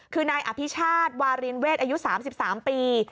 คือนายอภิชาติวารินเวศอายุ๓๓ปี